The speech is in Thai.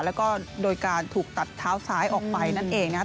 แล้วก็โดยการถูกตัดเท้าซ้ายออกไปนั่นเองนะครับ